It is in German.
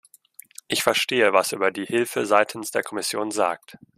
Ich verstehe, was er über die Hilfe seitens der Kommission sagt.